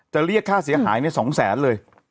เรียกค่าเสียหายใน๒แสนเลย